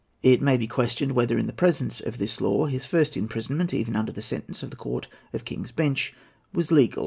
It may be questioned whether, in the presence of this law, his first imprisonment, even under the sentence of the Court of King's Bench, was legal.